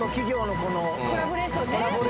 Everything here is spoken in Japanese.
コラボレーションね。